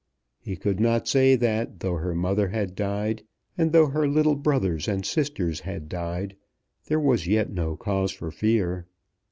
He could not say that though her mother had died, and though her little brothers and sisters had died, there was yet no cause for fear.